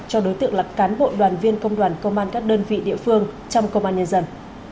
cho đối tượng là cán bộ đoàn viên công đoàn công an các đơn vị địa phương trong công an nhân dân